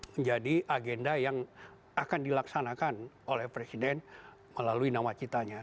menjadi agenda yang akan dilaksanakan oleh presiden melalui nawacitanya